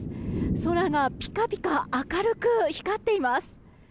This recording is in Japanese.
空がピカピカ明るく光っています。